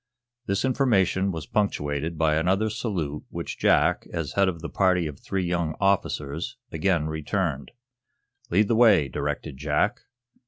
This information was punctuated by another salute which Jack, as head of the party of three young officers, again returned. "Lead the way," directed Jack.